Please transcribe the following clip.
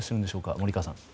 森川さん。